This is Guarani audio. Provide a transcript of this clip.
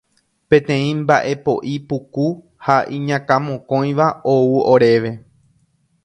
Peteĩ mba'e po'i, puku ha iñakãmokõiva ou oréve.